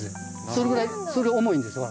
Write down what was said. それぐらい重いんですわ。